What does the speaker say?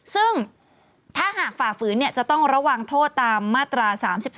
ซึ่งถ้าหากฝ่าฝืนจะต้องระวังโทษตามมาตรา๓๒